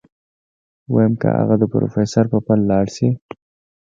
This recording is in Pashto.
ويم که اغه د پروفيسر په پل لاړ شي.